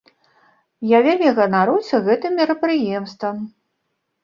Я вельмі ганаруся гэтым мерапрыемствам.